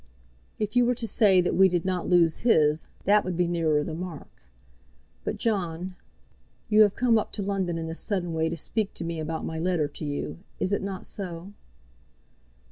"If you were to say that we did not lose his, that would be nearer the mark. But, John, you have come up to London in this sudden way to speak to me about my letter to you. Is it not so?"